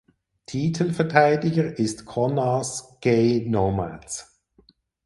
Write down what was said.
Titelverteidiger ist Connah’s Quay Nomads.